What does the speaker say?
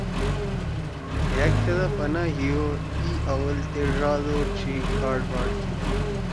ڈھأگ تھیدا پناہ ہی او اِی آول تے ڙاد او ڇھی گاڑباڑ کی۔